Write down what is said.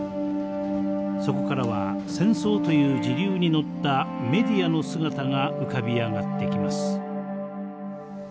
そこからは戦争という時流に乗ったメディアの姿が浮かび上がってきます。